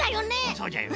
そうじゃよね。